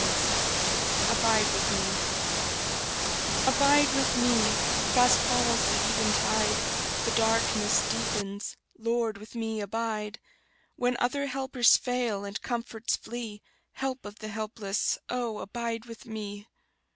Y Z Abide With Me ABIDE with me: fast falls the eventide; The darkness deepens; Lord, with me abide; When other helpers fail, and comforts flee, Help of the helpless, oh, abide with me!